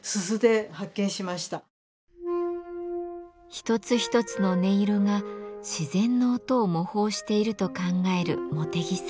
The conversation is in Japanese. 一つ一つの音色が自然の音を模倣していると考える茂手木さん。